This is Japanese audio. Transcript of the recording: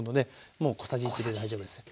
もう小さじ１で大丈夫です。